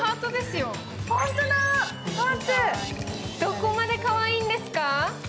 どこまでかわいいんですか！